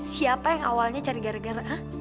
siapa yang awalnya cari gara gara ah